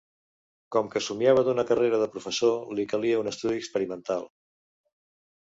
Com que somiava d'una carrera de professor, li calia un estudi experimental.